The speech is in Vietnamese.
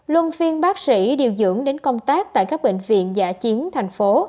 luân phiên bác sĩ điều dưỡng đến công tác tại các bệnh viện giả chiến thành phố